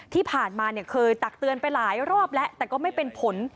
ที่ผ่านมาเนี่ยเคยตักเตือนไปหลายรอบแล้วแต่ก็ไม่เป็นผล